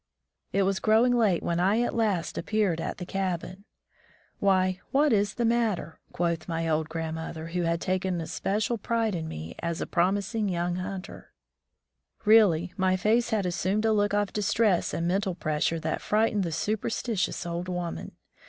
It was growing late when at last I appeared at the cabin. "Why, what is the matter?" quoth my old grandmother, who had taken especial pride in me as a promising young hunter. Really, my face had assumed a look of distress and mental pressure that frightened the superstitious old woman.